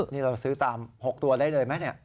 นี่เราซื้อตาม๖ตัวได้เลยไหม